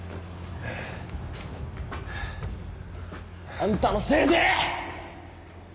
あんたのせいで！